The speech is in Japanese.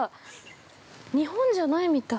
日本じゃないみたい。